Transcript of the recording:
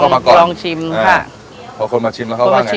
มีวันหยุดเอ่ออาทิตย์ที่สองของเดือนค่ะ